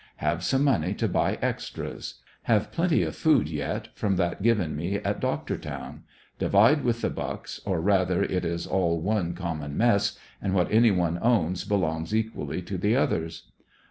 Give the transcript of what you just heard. Have some money to buy extras. Have plenty of food yet from that given me at Doctortown. Divide with the Bucks, or rather, it is all one common mess, and what any one owns belongs equally to the others.